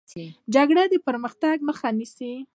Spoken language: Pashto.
جګړه د پرمختګ مخه نیسي